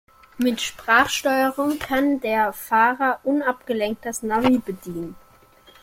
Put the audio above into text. Mit Sprachsteuerung kann der Fahrer unabgelenkt das Navi bedienen.